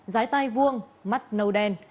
giái tai vuông mắt nâu đen